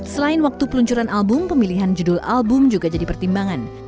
selain waktu peluncuran album pemilihan judul album juga jadi pertimbangan